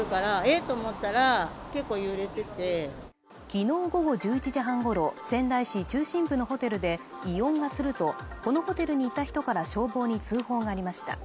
昨日午後１１時半ごろ仙台市中心部のホテルで異音がするとこのホテルにいた人から消防に通報がありました